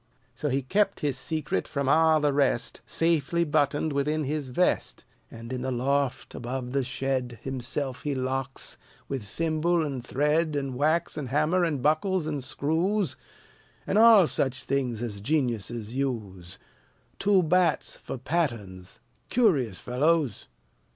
So he kept his secret from all the rest, Safely buttoned within his vest; And in the loft above the shed Himself he locks, with thimble and thread And wax and hammer and buckles and screws, And all such things as geniuses use; Two bats for patterns, curious fellows!